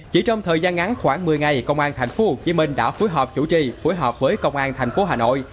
chỉ trong thời gian ngắn khoảng một mươi ngày công an thành phố hồ chí minh đã phối hợp chủ trì phối hợp với công an thành phố hà nội